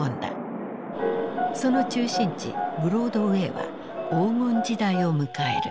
その中心地ブロードウェイは黄金時代を迎える。